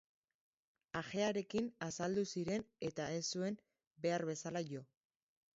Ajearekin azaldu ziren eta ez zuten behar bezala jo.